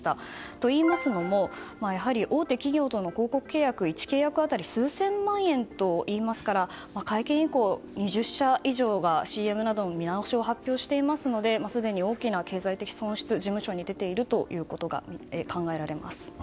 といいますのもやはり大手企業との広告契約も１契約当たり数千万円といいますから会見以降、２０社以降がＣＭなどの見直しを発表していますのですでに大きな経済的損失が事務所に出ていることが考えられます。